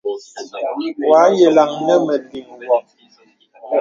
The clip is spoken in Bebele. Wɔ à yàlaŋ nə mə̀ liŋ wɔ.